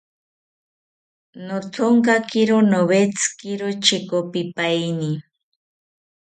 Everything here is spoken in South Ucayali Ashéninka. Nothonkakiro nowetziro chekopipaeni